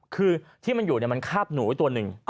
คือที่มันอยู่มันคาบหนูไว้ตัวหนึ่ง